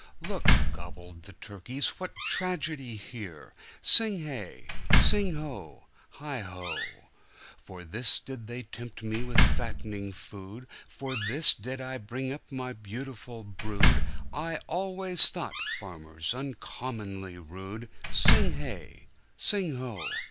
"Look!" gobbled the turkey's, "what tragedy's here!" Sing hey! sing ho! heigho!"For this did they tempt me with fattening food, For this did I bring up my beautiful brood,I always thought farmers uncommonly rude!" Sing hey! sing ho!